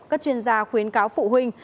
các chuyên gia khuyến cáo phụ huynh